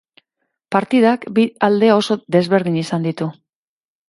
Partidak bi alde oso desberdin izan ditu.